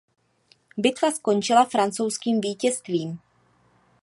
Bitva skončila francouzským vítězstvím.